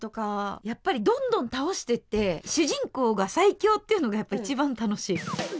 やっぱりどんどん倒してって主人公が最強っていうのがやっぱ一番楽しい。